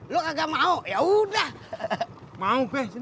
lo gak mau ya udah